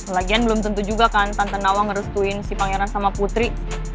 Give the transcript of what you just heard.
lagian belum tentu juga kan tante nawa ngerestuin si pangeran sama putri